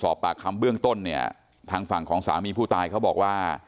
สอบปากคำเบื้องต้นเนี่ยทางฝั่งของสามีผู้ตายเขาบอกว่า